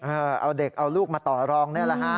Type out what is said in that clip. เอาเด็กเอาลูกมาต่อรองนี่แหละฮะ